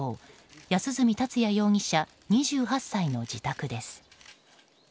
安栖達也容疑者、２８歳の自宅です。